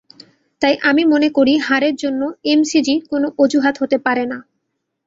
তাই আমি মনে করি হারের জন্য এমসিজি কোনো অজুহাত হতে পারে না।